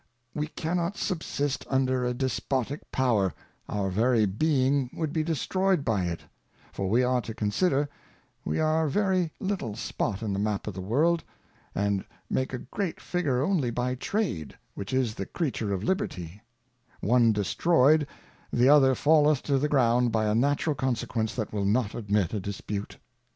We cannot sub sist under a Despotick Power, our very Being would be destroyed by it; for we are to consider, we are a very little Spot in the Map of the World, and make a great Figure only by Trade, jwhich is,,the C reature of Liberty ; o ne destro yed^_the_other falleth to the Ground by a natural Consequence^ that_will_not admit a dispute.